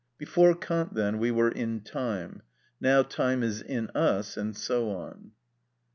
Before Kant, then, we were in time; now time is in us, and so on.